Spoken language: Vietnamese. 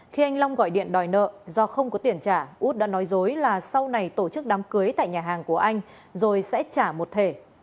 khi anh long gọi điện đòi nợ do không có tiền trả út đã nói dối là sau này tổ chức đám cưới tại nhà hàng của anh rồi sẽ trả một thẻ